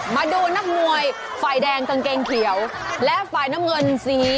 มาดูนักมวยฝ่ายแดงกางเกงเขียวและฝ่ายน้ำเงินสี